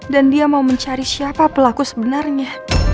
dan dia mau mencari siapa pelaku sebenarnya